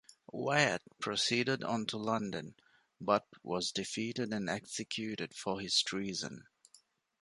Wyatt proceeded on to London but was defeated and executed for his treason.